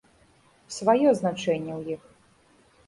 Сваё значэнне ў іх.